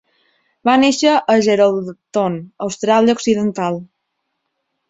Va néixer a Geraldton, Austràlia Occidental.